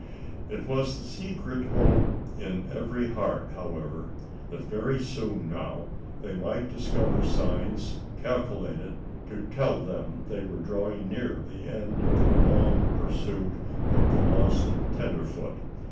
It was the secret hope of every heart, however, that very soon now they might discover signs calculated to tell them they were drawing near the end of their long pursuit of the lost tenderfoot.